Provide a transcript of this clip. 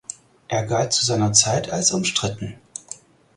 Er galt zu seiner Zeit als umstritten.